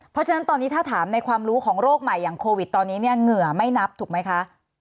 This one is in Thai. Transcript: เพราะฉะนั้นตอนนี้ถ้าถามในความรู้ของโรคใหม่อย่างโควิดตอนนี้เนี่ยเหงื่อไม่นับถูกไหมคะ